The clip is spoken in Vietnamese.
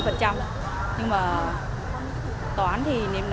nhưng mà toán thì nên năm